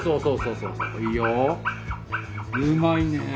うまいね。